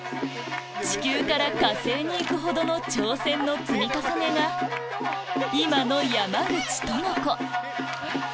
地球から火星に行くほどの挑戦の積み重ねが今の山口智子